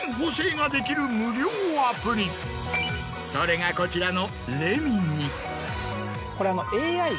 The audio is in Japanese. それがこちらの。